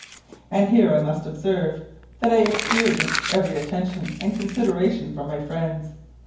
And here I must observe, that I experienced every attention and consideration from my friends.